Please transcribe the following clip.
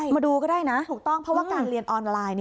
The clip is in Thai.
มาดูก็ได้นะถูกต้องเพราะว่าการเรียนออนไลน์